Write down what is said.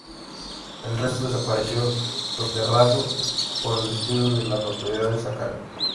El resto desapareció soterrado por el descuido de las autoridades a cargo.